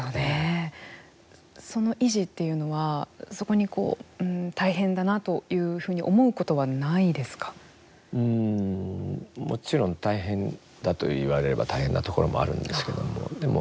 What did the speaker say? その維持っていうのは大変だなというふうに思うことはもちろん大変だと言われれば大変なところもあるんですけども